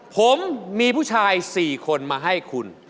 ผมมีผู้ชาย๔คนมาให้คุณ